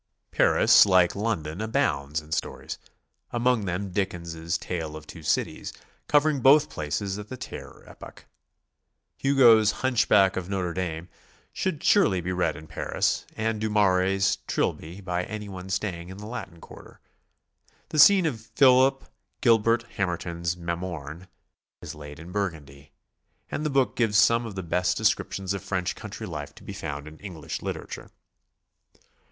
Paris, like London, abounds in stories, among them Dickens' "Tale of Two Cities," covering both places at the Terror epoch. Hugo's "Hunchback of Notre Dame" should surely be read in Paris, and Du Maurier's "Trilby" by any one staying in the I.atin Quarter. The scene of Philip Gil bert Hamertcn's "Mamorne" is laid in Burgundy, and the book gives some of the best descriptions of French country life to be found in English literature.